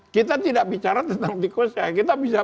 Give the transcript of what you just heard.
kita tidak bicara tentang tikusnya